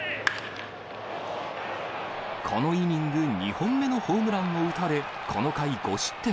このイニング２本目のホームランを打たれ、この回５失点。